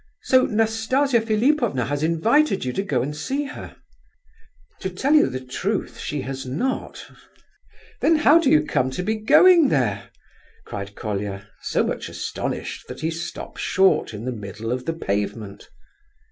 So Nastasia Philipovna has invited you to go and see her?" "To tell the truth, she has not." "Then how do you come to be going there?" cried Colia, so much astonished that he stopped short in the middle of the pavement.